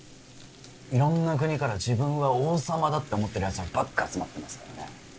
いろんな国から自分は王様だって思ってるやつらばっか集まってますからね